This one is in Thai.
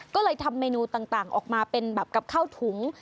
ก็เลยทำเมนูต่างออกมาเป็นแบบกับข้าวถุง